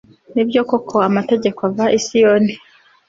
ni byo koko, amategeko ava i siyoni